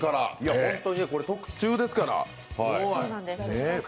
本当にこれ、特注ですから。